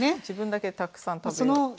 自分だけたくさん食べる。